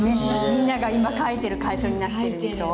みんなが今書いてる楷書になってるでしょう。